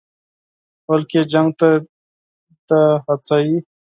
بلکې جنګ ته دې هڅوي.